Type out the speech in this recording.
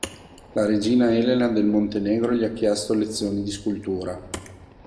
La Regina Elena del Montenegro gli ha chiesto lezioni di scultura.